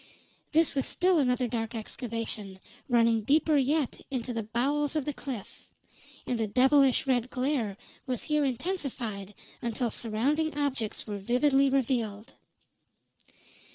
This was still another dark excavation, running deeper yet into the bowels of the cliff; and the devilish red glare was here intensified until surrounding objects were vividly revealed.